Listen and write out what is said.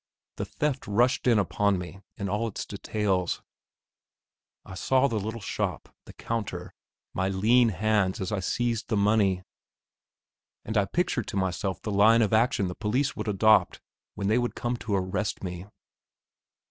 The theft rushed in upon me in all its details. I saw the little shop, the counter, my lean hands as I seized the money, and I pictured to myself the line of action the police would adopt when they would come to arrest me.